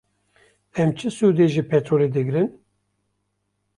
Em çi sûdê ji petrolê digirin?